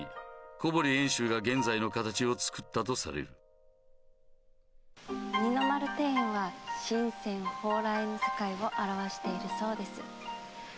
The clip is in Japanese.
小堀遠州が現在の形を造ったとされる二の丸庭園は神仙蓬莱の世界を表しているそうです。